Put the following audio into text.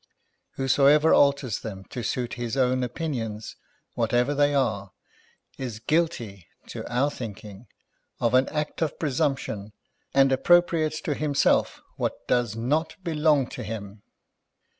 Whoso ever alters them to suit his own opinions, whatever they are, is guilty, to our thinking, of an act of presumption, and appropriates to himself what does not belong to him.